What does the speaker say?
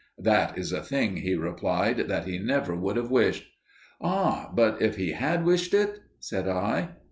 "That is a thing," he replied, "that he never would have wished." "Ah, but if he had wished it?" said I.